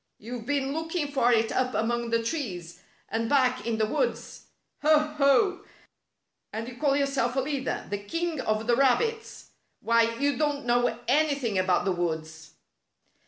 You've been looking for it up among the trees, and back in the woods. Ho ! Ho ! And you call yourself a leader — the king of the rabbits 1 Why, you don't know anything about the woods."